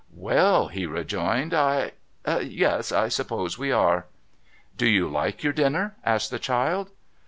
' Well,' he rejoined, ' I Yes, I suppose we are.' ' Do you like your dinner ?' asked the child.